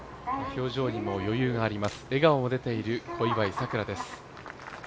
表情にも余裕があります、笑顔が出ている小祝さくらです。